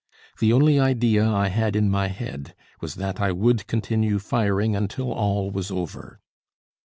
The only idea I had in my head, was that I would continue firing until all was over.